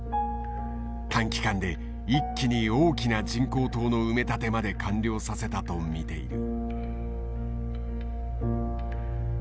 短期間で一気に大きな人工島の埋め立てまで完了させたと見ている。